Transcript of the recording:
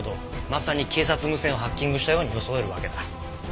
まさに警察無線をハッキングしたように装えるわけだ。